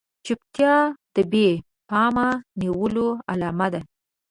چوپتيا د بې پامه نيولو علامه ده.